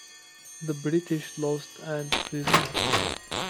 The British lost and prisoner.